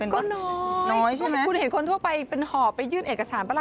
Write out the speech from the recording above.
ก็น้อยคุณเห็นคนทั่วไปเป็นหอบไปยื่นเอกสาร